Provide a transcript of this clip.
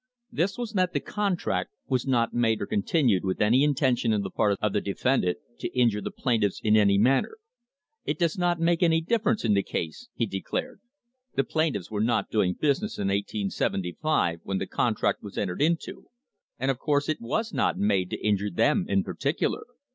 This was that the contract "was not made or con tinued with any intention on the part of the defendant to injure the plaintiffs in any manner." It does not "make any difference in the case," he declared. "The plaintiffs were not doing business in 1875, when the contract was entered into, and, of course, it was not made to injure them in particular.